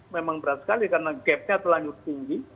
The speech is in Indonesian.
memang berat sekali karena gap nya terlalu tinggi